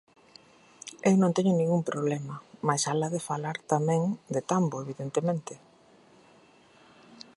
Eu non teño ningún problema, máis alá de falar tamén de Tambo, evidentemente.